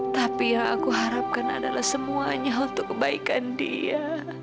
tapi yang aku harapkan adalah semuanya untuk kebaikan dia